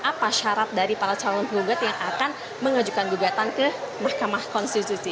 apa syarat dari para calon gugat yang akan mengajukan gugatan ke mahkamah konstitusi